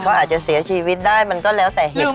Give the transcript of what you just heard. เขาอาจจะเสียชีวิตได้มันก็แล้วแต่เหตุผล